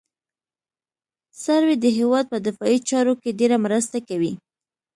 سروې د هېواد په دفاعي چارو کې ډېره مرسته کوي